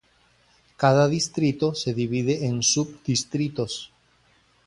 Cada distrito se divide en sub-distritos.